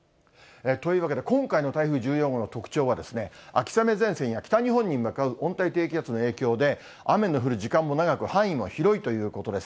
というわけで、今回の台風１４号の特徴は、秋雨前線や北日本に向かう温帯低気圧の影響で、雨の降る時間も長く、範囲も広いということです。